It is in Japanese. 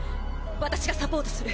私がサポートする。